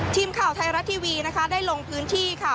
ทีมข่าวไทยรัฐทีวีนะคะได้ลงพื้นที่ค่ะ